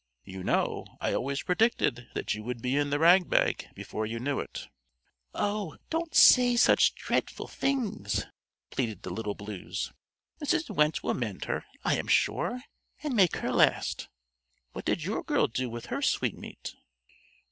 You know I always predicted that you would be in the rag bag before you knew it." "Oh, don't say such dreadful things," pleaded the Little Blues. "Mrs. Wendte will mend her, I am sure, and make her last. What did your girl do with her sweetmeat?"